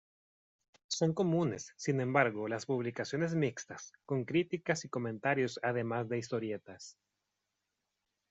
Son comunes, sin embargo, las publicaciones mixtas, con críticas y comentarios además de historietas.